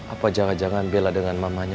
apa jangan jangan bella dengan mamanya